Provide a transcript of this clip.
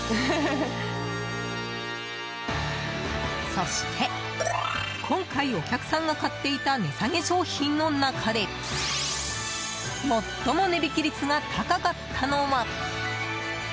そして、今回お客さんが買っていた値下げ商品の中で最も値引き率が高かったのは。